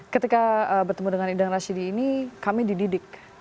ketika bertemu dengan idang rashidi ini kami dididik